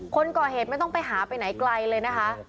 คนก่อเหตุไม่ต้องไปหาไปไหนไกลเลยนะคะ